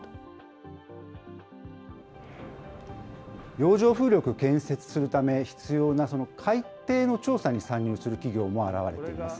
洋上風力建設するため、必要な海底の調査に参入する企業も現れています。